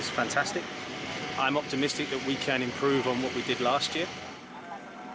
saya berpikir bahwa kita bisa meningkatkan apa yang kita lakukan tahun lalu